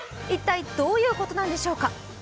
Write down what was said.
一体どういうことなんでしょうか。